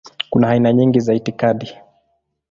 Kuna aina nyingi za itikadi.